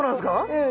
うん。